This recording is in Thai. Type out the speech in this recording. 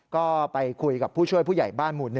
ก็ไปคุยกับผู้ช่วยผู้ใหญ่บ้านหมู่๑